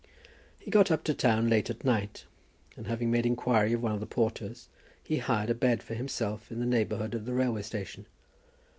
He got up to town late at night, and having made inquiry of one of the porters, he hired a bed for himself in the neighbourhood of the railway station.